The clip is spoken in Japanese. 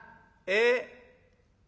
ええ？